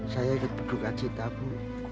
saya ikut berduka cita bu